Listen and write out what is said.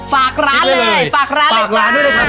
ฝากร้านเลยฝากร้านเลยค่ะ